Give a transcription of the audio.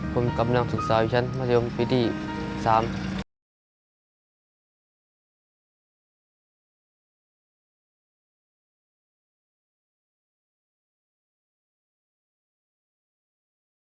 ทุกวันนี้ก็ขนมยังไม่ได้มีชีวิตอยู่โตตืด